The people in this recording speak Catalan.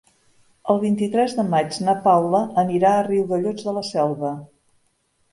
El vint-i-tres de maig na Paula anirà a Riudellots de la Selva.